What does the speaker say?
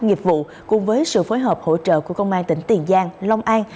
nghiệp vụ cùng với sự phối hợp hỗ trợ của công an tỉnh tiền giang long an